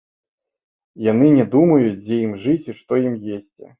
Яны не думаюць, дзе ім жыць і што ім есці.